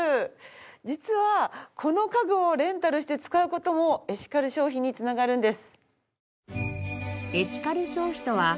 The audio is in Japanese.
実はこの家具をレンタルして使う事もエシカル消費につながるんです。